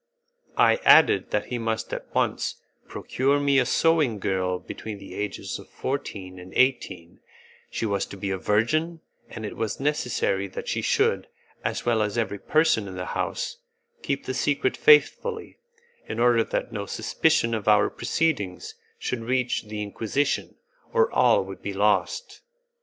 I added that he must at once procure me a sewing girl between the ages of fourteen and eighteen, she was to be a virgin, and it was necessary that she should, as well as every person in the house, keep the secret faithfully, in order that no suspicion of our proceedings should reach the Inquisition, or all would be lost.